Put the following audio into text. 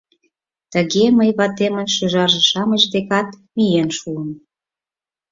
Тыге мый ватемын шӱжарже-шамыч декат миен шуым...